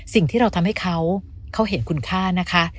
สิ่งที่เราทำให้เขาเห็นคุณค่านะคะ